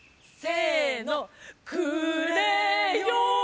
せの！